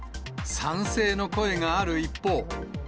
賛成の声がある一方。